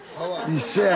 一緒や。